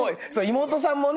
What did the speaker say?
妹さんもね。